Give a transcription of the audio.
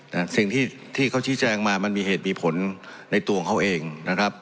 นะสิ่งที่ที่เขาชี้แจงมามันมีเหตุมีผลในตัวของเขาเองนะครับ